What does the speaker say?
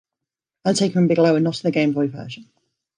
Undertaker and Bigelow are not in the Game Boy version.